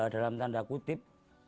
dalam tanda kutip